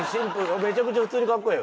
めちゃめちゃ普通にかっこええよ。